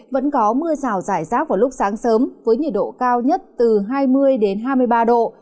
vẫn có mưa rào rải rác vào lúc sáng sớm với nhiệt độ cao nhất từ hai mươi hai mươi ba độ